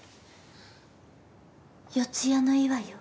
四谷の岩よ。